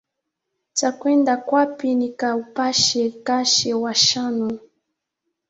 Takwenda kwapi nikaupache nkache wa chanu.